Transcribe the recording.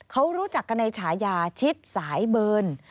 เขารู้จักกันในฉายาชิดสายเบิร์น